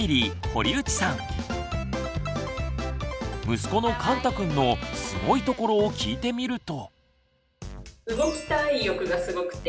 息子のかんたくんのすごいところを聞いてみると。